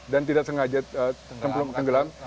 dan tidak sengaja tenggelam